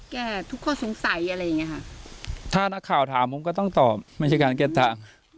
ทุกข้อสงสัยอะไรอย่างเงี้ค่ะถ้านักข่าวถามผมก็ต้องตอบไม่ใช่การแก้ทาง